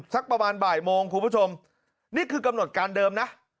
สักประมาณบ่ายโมงคุณผู้ชมนี่คือกำหนดการเดิมนะ